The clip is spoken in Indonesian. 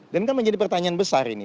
dan kan menjadi pertanyaan besar ini